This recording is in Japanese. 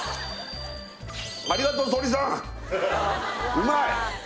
うまい！